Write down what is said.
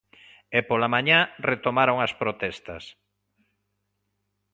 E pola mañá retomaron as protestas.